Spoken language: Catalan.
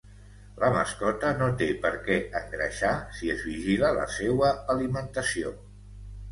La mascota no té per què engreixar si es vigila la seua alimentació.